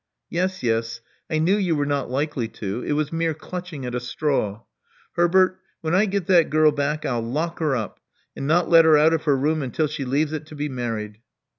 " Yes, yes: I knew you were not likely to: it was mere clutching at a straw. Herbert: when I get that girl back, 1*11 lock her up, and not let her out of her room until she leaves it to be married."